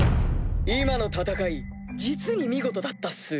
今の戦い実に見事だったっす。